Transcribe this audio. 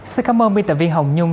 xin cảm ơn biên tập viên hồng nhung